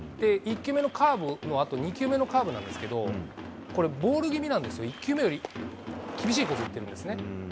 １球目のカーブのあと、２球目もカーブなんですけど、これ、ボール気味なんですよ、１球目より厳しいコースいってるんですね。